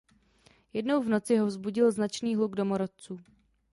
Jednou v noci ho vzbudil značný hluk domorodců.